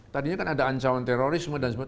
tadinya kan ada ancaman terorisme dan sebagainya